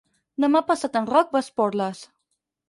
Demà passat en Roc va a Esporles.